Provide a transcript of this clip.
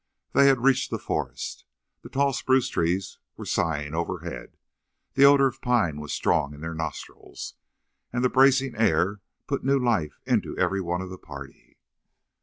They had reached the forest. The tall spruce trees were sighing overhead, the odor of pine was strong in their nostrils, and the bracing air put new life into every one of the party.